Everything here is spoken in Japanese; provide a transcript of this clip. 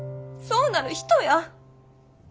そうなる人や。